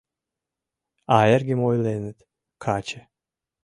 А эргым ойленыт: «Каче».